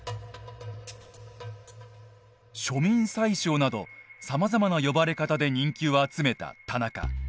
庶民宰相などさまざまな呼ばれ方で人気を集めた田中。